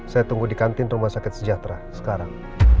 saya tunggu di kantin rumah sakit sejahtera sekarang